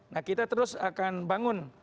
nah kita terus akan bangun